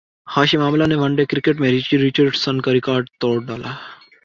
ہاشم Amla نے one day cricket میں Richie Richardson کا ریکارڈ توڑ ڈالا